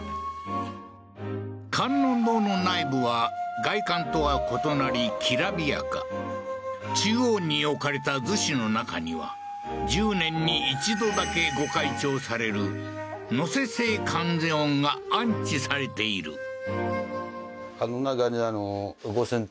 観音堂の内部は外観とは異なりきらびやか中央に置かれた厨子の中には１０年に一度だけ御開帳される野瀬正観世音が安置されているあ